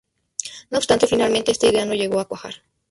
No obstante, finalmente esta idea no llegó a cuajar.